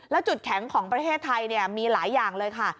แล้วจุดแข็งของประเทศไทยมีหลายอย่างเลยค่ะ